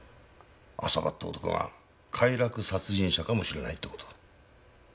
浅羽って男が快楽殺人者かもしれないって事。